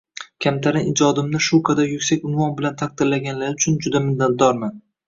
Kamtarin ijodimni shu qadar yuksak unvon bilan taqdirlaganlari uchun juda minnatdorman.